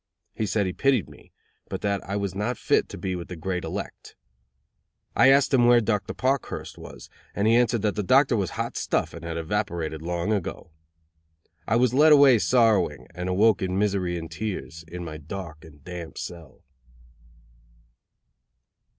He said he pitied me, but that I was not fit to be with the great elect. I asked him where Dr. Parkhurst was, and he answered that the doctor was hot stuff and had evaporated long ago. I was led away sorrowing, and awoke in misery and tears, in my dark and damp cell.